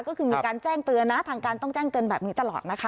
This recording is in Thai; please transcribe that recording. ก็คือมีการแจ้งเตือนนะทางการต้องแจ้งเตือนแบบนี้ตลอดนะคะ